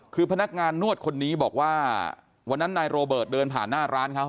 คือพนักงานนวดคนนี้บอกว่าวันนั้นนายโรเบิร์ตเดินผ่านหน้าร้านเขา